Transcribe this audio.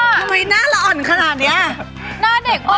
พร้อมตำลำเชฟพันธุ์ค่ะเย้สวัสดีค่ะสวัสดีค่ะ